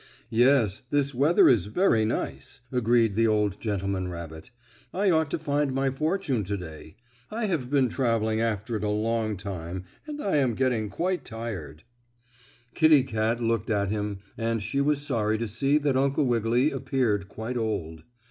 "Yes, this weather is very nice," agreed the old gentleman rabbit. "I ought to find my fortune to day. I have been traveling after it a long time, and I am getting quite tired." Kittie Kat looked at him, and she was sorry to see that Uncle Wiggily appeared quite old.